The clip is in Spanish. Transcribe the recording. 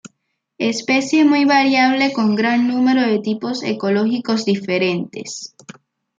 Especie muy variable con gran número de tipos ecológicos diferentes.